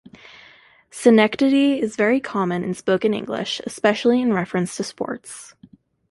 Synecdoche is very common in spoken English, especially in reference to sports.